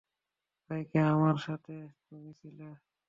বাইকে আমার সাথে তুমি ছিলে।